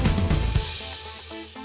nah ini juga